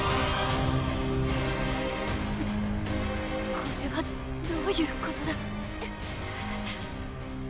これはどういうことだ